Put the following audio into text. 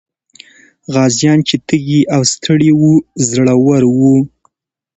غازيان چې تږي او ستړي وو، زړور وو.